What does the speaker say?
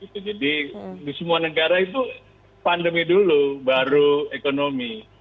jadi di semua negara itu pandemi dulu baru ekonomi